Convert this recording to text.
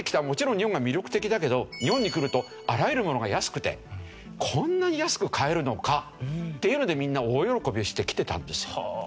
もちろん日本が魅力的だけど日本に来るとあらゆるものが安くてこんなに安く買えるのかっていうのでみんな大喜びをして来てたんです。